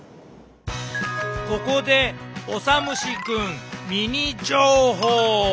ここでオサムシくんミニ情報！